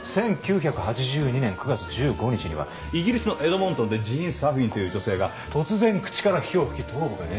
１９８２年９月１５日にはイギリスのエドモントンでジーン・サフィンという女性が突然口から火を噴き頭部が炎上。